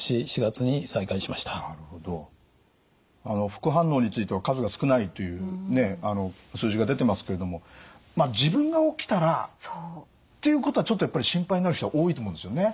副反応については数が少ないという数字が出てますけれどもまあ自分が起きたらということはちょっとやっぱり心配になる人は多いと思うんですよね。